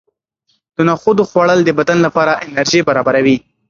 د نخودو خوړل د بدن لپاره انرژي برابروي.